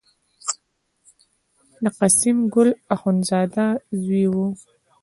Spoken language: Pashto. د قسیم ګل اخوندزاده زوی و.